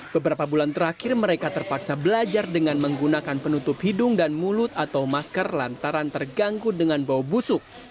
beberapa bulan terakhir mereka terpaksa belajar dengan menggunakan penutup hidung dan mulut atau masker lantaran terganggu dengan bau busuk